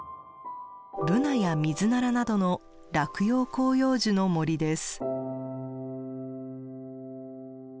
ブナやミズナラなどの落葉広葉樹の森です。